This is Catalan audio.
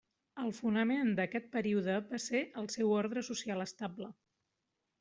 El fonament d'aquest període va ser el seu ordre social estable.